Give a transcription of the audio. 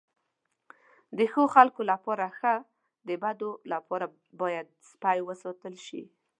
د ښو خلکو لپاره ښه، د بدو لپاره باید سپي وساتل شي.